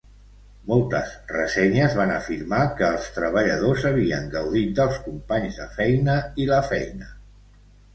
Moltes ressenyes van afirmar que els treballadors havien gaudit dels companys de feina i la feina.